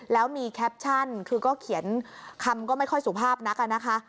แล้วมีแคปชั่นคือก็เขียนคำก็ไม่ค่อยสุภาพนักอะนะคะ